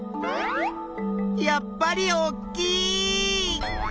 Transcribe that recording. やっぱりおっきいっ！